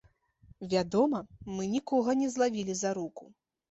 Вядома, мы нікога не злавілі за руку.